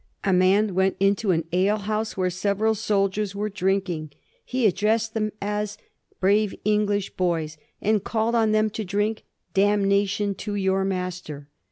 '' A man went into an ale house where several soldiers were drinking; he addressed them ''as brave English boys," and called on them to drink " dam nation to your master."